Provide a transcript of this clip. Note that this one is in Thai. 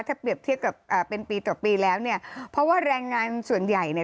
ถ้าเปรียบเทียบกับอ่าเป็นปีต่อปีแล้วเนี่ยเพราะว่าแรงงานส่วนใหญ่เนี่ย